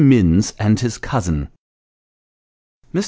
MINNS AND HIS COUSIN. MR.